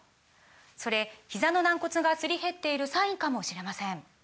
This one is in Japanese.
それひざの軟骨がすり減っているサインかもしれません